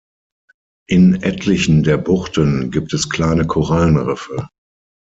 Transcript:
In etlichen der Buchten gibt es kleine Korallenriffe.